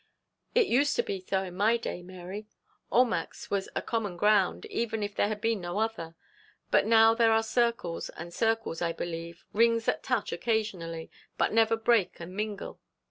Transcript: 'It used to be so in my day, Mary. Almack's was a common ground, even if there had been no other. But now there are circles and circles, I believe, rings that touch occasionally, but never break and mingle.